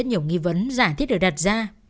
rất nhiều nghi vấn giải thiết được đặt ra